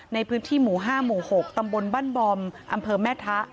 ในพื้นที่หมู่๕หมู่๖ตำบลบ้านบอมอำเภอแม่ทะ